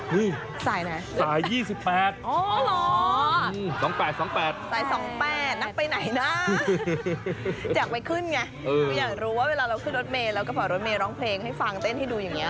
มีกระเป๋ารถเมฆร้องเพลงให้ฟังเต้นให้ดูอย่างนี้